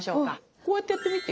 こうやってやってみて。